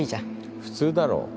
普通だろ。